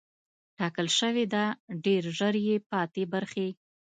ټاکل شوې ده ډېر ژر یې پاتې برخې